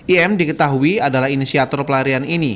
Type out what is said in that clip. im diketahui adalah inisiator pelarian ini